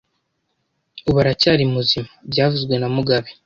Uyu aracyari muzima byavuzwe na mugabe